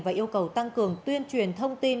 và yêu cầu tăng cường tuyên truyền thông tin